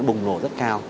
bùng nổ rất cao